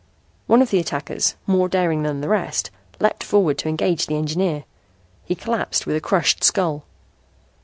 One of the attackers, more daring than the rest, leaped forward to engage the engineer. He collapsed with a crushed skull.